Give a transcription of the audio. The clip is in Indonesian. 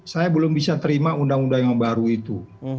saya belum bisa terima undang undang yang baru itu